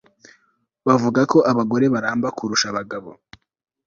Bavuga ko abagore baramba kurusha abagabo